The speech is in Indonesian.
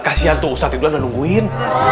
kasian tuh ustaz zanur udah nungguin